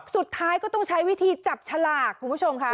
สุดท้ายก็ต้องใช้วิธีจับฉลากคุณผู้ชมค่ะ